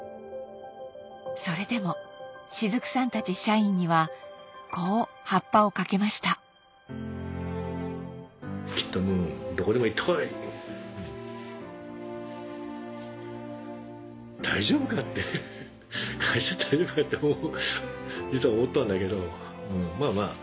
それでも雫さんたち社員にはこうハッパを掛けました大丈夫かって会社大丈夫かって実は思ったんだけどまぁまぁ。